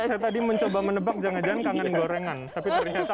saya tadi mencoba menebak jangan jangan kangen gorengan tapi ternyata